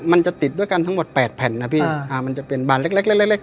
มันจะติดด้วยกันทั้งหมดแปดแผ่นนะพี่อ่ามันจะเป็นบานเล็กเล็กเล็ก